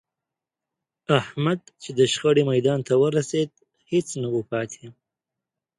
احمد چې د شخړې میدان ته ورسېد، هېڅ نه و پاتې